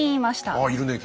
ああいるねえ